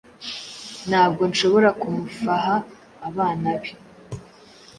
Ntabwo nshobora kumufaha abana be